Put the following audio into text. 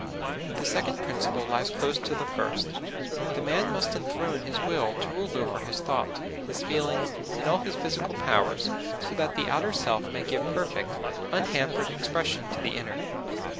The second principle lies close to the first: The man must enthrone his will to rule over his thought, his feelings, and all his physical powers, so that the outer self may give perfect, unhampered expression to the inner.